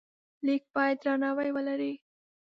لیک باید درناوی ولري.